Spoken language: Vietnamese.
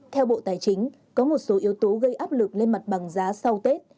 theo bộ tài chính có một số yếu tố gây áp lực lên mặt bằng giá sau tết